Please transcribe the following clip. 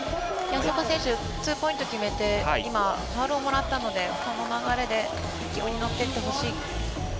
ツーポイント決めてファウルをもらったのでこの流れで勢いに乗ってほしい。